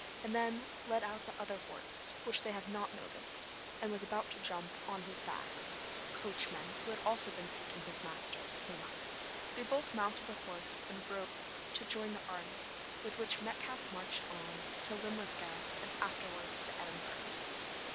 He then led out the other horse, which they had not noticed, and was about to jump on his back when Thornton's coachman, who had also been seeking his master, came up. They both mounted the horse and rode to join the army, with which Metcalfe marched on to Linlithgow and afterwards to Edinburgh.